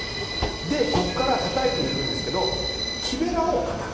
でここから叩いていくんですけど木べらを叩く。